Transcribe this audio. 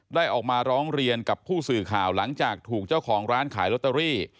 ออกมาร้องเรียนกับผู้สื่อข่าวหลังจากถูกเจ้าของร้านขายลอตเตอรี่